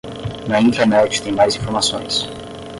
Na intranet tem mais informações